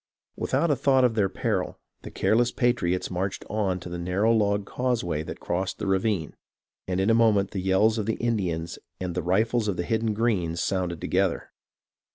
Without a thought of their peril, the careless patriots marched on to the narrow log causeway that crossed the ravine, and in a moment the yells of the Indians and the rifles of the hidden Greens sounded together.